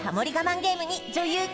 ゲームに女優北